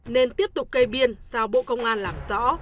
nên tiếp tục kê biên giao bộ công an làm rõ